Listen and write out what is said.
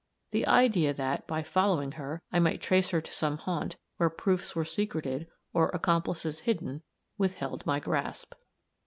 The idea that, by following her, I might trace her to some haunt, where proofs were secreted, or accomplices hidden, withheld my grasp.